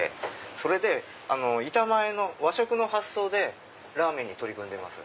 それで和食の発想でラーメンに取り組んでます。